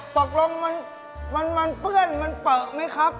ตกลงมันเปื้อนมันเปลือไหมครับ